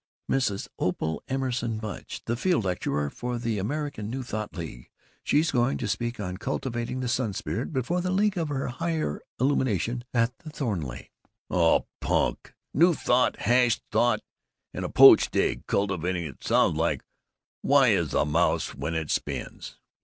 "Mrs. Opal Emerson Mudge. The field lecturer for the American New Thought League. She's going to speak on 'Cultivating the Sun Spirit' before the League of the Higher Illumination, at the Thornleigh." "Oh, punk! New Thought! Hashed thought with a poached egg! 'Cultivating the ' It sounds like 'Why is a mouse when it spins?